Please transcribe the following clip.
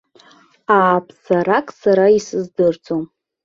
Ааԥсарак сара исыздырӡом.